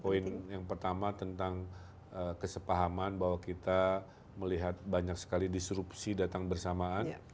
poin yang pertama tentang kesepahaman bahwa kita melihat banyak sekali disrupsi datang bersamaan